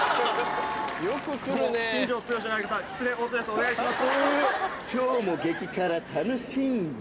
お願いします。